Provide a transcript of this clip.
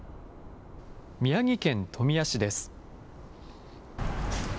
宮城県富谷市です。